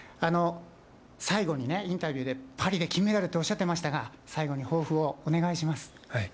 最後にインタビューで、パリで金メダルとおっしゃっていましたが、最後に抱負をお願いします。